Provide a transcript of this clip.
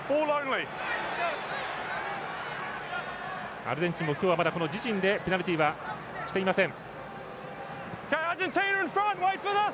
アルゼンチンも今日は、まだ自陣でペナルティはしていません。